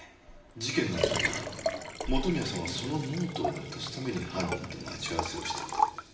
事件のあった晩元宮さんはそのノートを渡すために犯人と待ち合わせをしていた。